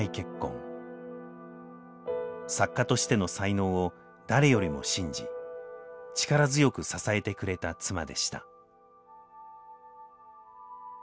作家としての才能を誰よりも信じ力強く支えてくれた妻でした。